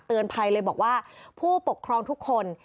ภัยเลยบอกว่าผู้ปกครองทุกคน